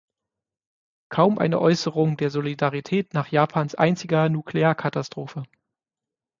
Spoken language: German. Kaum eine Äußerung der Solidarität nach Japans einziger Nuklearkatastrophe.